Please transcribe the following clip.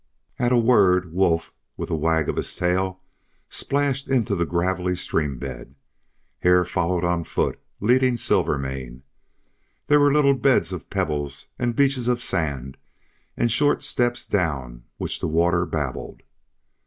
At a word Wolf, with a wag of his tail, splashed into the gravelly stream bed. Hare followed on foot, leading Silvermane. There were little beds of pebbles and beaches of sand and short steps down which the water babbled.